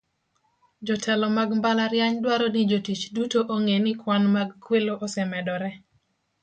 Jotelo mag mbalariany dwaro ni jotich duto ong'e ni kwan mag kwelo osemedore.